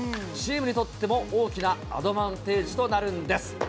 チームにとっても大きなアドバンテージとなるんです。